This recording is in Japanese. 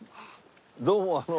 どうもあの。